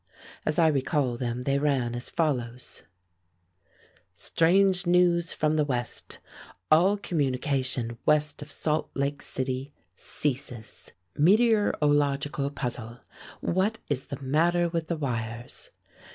As I recall them they ran as follows: "Strange news from the West. All communication west of Salt Lake City ceases. Meteorological puzzle. What is the matter with the wires?"